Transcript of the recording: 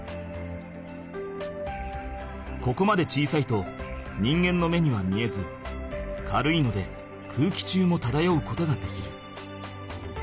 ここまで小さいと人間の目には見えず軽いので空気中もただようことができる。